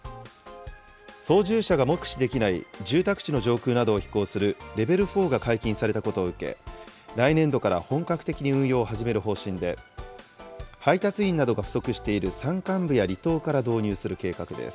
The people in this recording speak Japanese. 操縦者が目視できない、住宅地の上空などを飛行するレベル４が解禁されたことを受け、来年度から本格的に運用を始める方針で、配達員などが不足している山間部や離島から導入する計画です。